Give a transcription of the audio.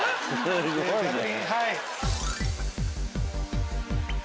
すごいね！